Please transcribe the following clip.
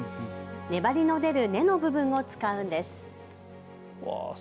粘りの出る根の部分を使うんです。